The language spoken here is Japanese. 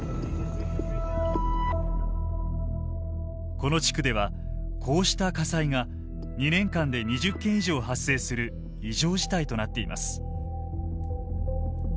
この地区ではこうした火災が２年間で２０件以上発生する異常事態となっています。